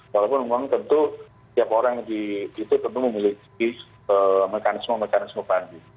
walaupun memang tentu tiap orang di itu tentu memiliki mekanisme mekanisme banding